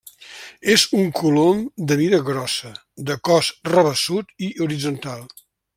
És un colom de mida grossa, de cos rabassut i horitzontal.